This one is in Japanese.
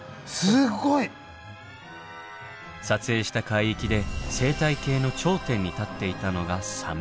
すごい！撮影した海域で生態系の頂点に立っていたのがサメ。